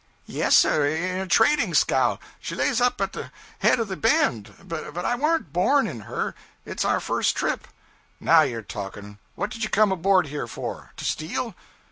'Yes, sir, in a trading scow. She lays up at the head of the bend. But I warn't born in her. It's our first trip.' 'Now you're talking! What did you come aboard here, for? To steal?'